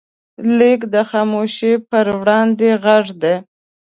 لیک د خاموشۍ پر وړاندې غږ دی.